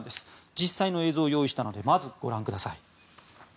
実際の映像、用意したのでまず、ご覧ください。